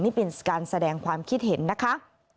นี่เป็นการแสดงความคิดเห็นนะคะ